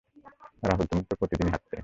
রাহুল তুমি প্রতিদিনই হারতে।